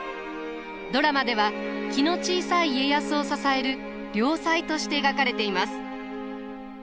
ドラマでは気の小さい家康を支える良妻として描かれています。